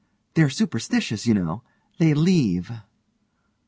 They're superstitious, you know. They leave.